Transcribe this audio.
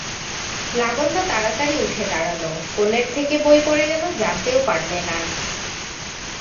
লাবণ্য তাড়াতাড়ি উঠে দাঁড়াল, কোলের থেকে বই গেল পড়ে, জানতেও পারলে না।